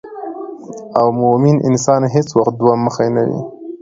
او مومن انسان هیڅ وخت دوه مخې نه وي